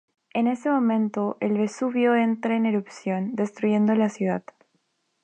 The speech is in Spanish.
En ese momento el Vesubio entra en erupción, destruyendo la ciudad.